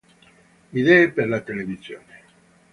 Idee per la televisione.